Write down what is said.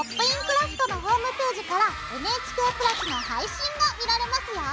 クラフト」のホームページからＮＨＫプラスの配信が見られますよ！